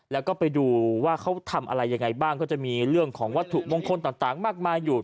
แล้วก็ไปดูว่าเขาทำอะไรยังไงบ้างก็จะมีเรื่องของวัตถุมงคลต่างมากมายอยู่